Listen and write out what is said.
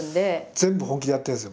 全部本気でやってるんですよ